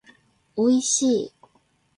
おいしい